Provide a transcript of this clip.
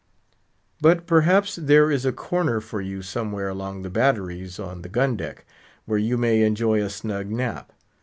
But perhaps there is a corner for you somewhere along the batteries on the gun deck, where you may enjoy a snug nap.